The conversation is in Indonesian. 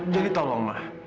jadi tolong ma